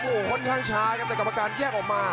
โอ้โหค่อนข้างช้าครับแต่กรรมการแยกออกมา